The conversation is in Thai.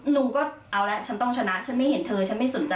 หนูก็เอาแล้วฉันต้องชนะฉันไม่เห็นเธอฉันไม่สนใจ